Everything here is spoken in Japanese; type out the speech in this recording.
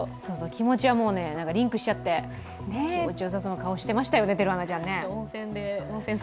気持ちはリンクしちゃって、気持ちよさそうな顔してましたよね、てるはなちゃん。